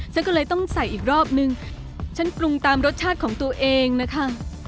ฉันก็เลยต้องใส่อีกรอบนึงฉันปรุงตามรสชาติของตัวเองนะคะ